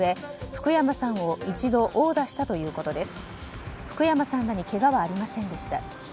福山さんらにけがはありませんでした。